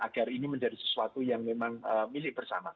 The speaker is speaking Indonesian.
agar ini menjadi sesuatu yang memang milik bersama